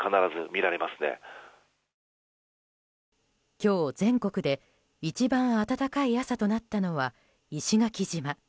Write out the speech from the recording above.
今日、全国で一番暖かい朝となったのは石垣島。